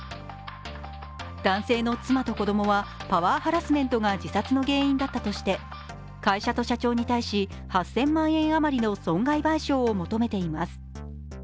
男性の妻と子供はパワーハラスメントが自殺の原因だったとして会社と社長に対し８０００万円あまりの損害賠償を求めています。